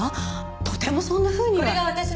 とてもそんなふうには。